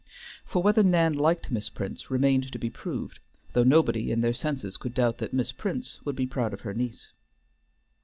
For whether Nan liked Miss Prince remained to be proved, though nobody in their senses could doubt that Miss Prince would be proud of her niece.